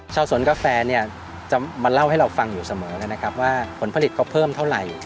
ชาวสวนกาแฟเนี่ยจะมาเล่าให้เราฟังอยู่เสมอนะครับว่าผลผลิตเขาเพิ่มเท่าไหร่